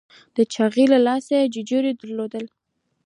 د چاغي له لاسه یې ججوری درلود.